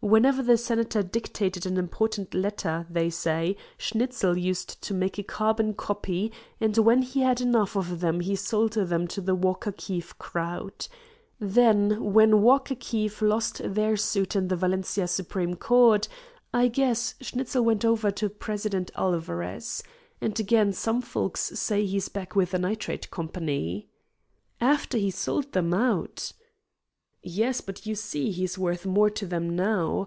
"Whenever the senator dictated an important letter, they say, Schnitzel used to make a carbon copy, and when he had enough of them he sold them to the Walker Keefe crowd. Then, when Walker Keefe lost their suit in the Valencia Supreme Court I guess Schnitzel went over to President Alvarez. And again, some folks say he's back with the Nitrate Company." "After he sold them out?" "Yes, but you see he's worth more to them now.